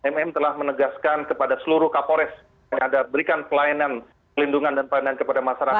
mm telah menegaskan kepada seluruh kapolres yang ada berikan pelayanan pelindungan dan pelayanan kepada masyarakat